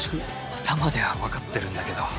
頭では分かってるんだけど。